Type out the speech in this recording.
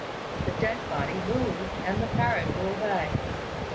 the dead body moved and the parrot flew away.